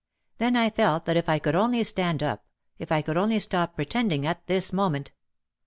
Then I felt that if I could only stand up, if I could only stop pretending at this moment!